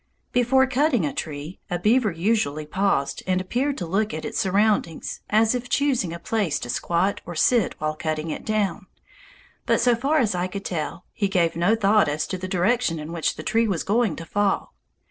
Before cutting a tree, a beaver usually paused and appeared to look at its surroundings as if choosing a place to squat or sit while cutting it down; but so far as I could tell, he gave no thought as to the direction in which the tree was going to fall.